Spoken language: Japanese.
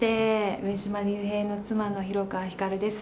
上島竜兵の妻の広川ひかるです。